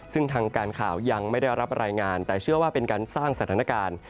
ซึ่งทางการข่าวยังไม่ได้รับรายงานแต่เชื่อว่าเป็นการสร้างสถานการณ์